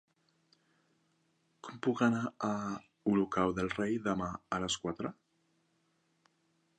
Com puc anar a Olocau del Rei demà a les quatre?